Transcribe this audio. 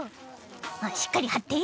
しっかりはって！